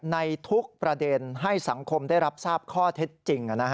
ในทุกประเด็นให้สังคมได้รับทราบข้อเท็จจริง